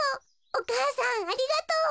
お母さんありがとう。